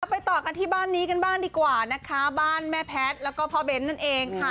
ไปต่อกันที่บ้านนี้กันบ้างดีกว่านะคะบ้านแม่แพทย์แล้วก็พ่อเบ้นนั่นเองค่ะ